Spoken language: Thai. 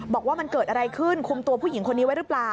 บอกว่ามันเกิดอะไรขึ้นคุมตัวผู้หญิงคนนี้ไว้หรือเปล่า